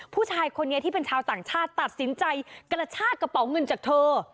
ผู้ชายคนนี้ที่เป็นชาวต่างชาติตัดสินใจกระชากระเป๋าเงินจากเธอ